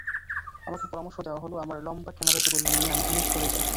আমাকে পরামর্শ দেওয়া হলো, আমার লম্বা ক্যামেরা-যুগল নিয়ে আমি যেন সরে যাই।